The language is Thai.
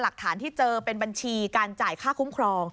หลักฐานที่เจอเป็นบัญชีการจ่ายค่าคุ้มครอง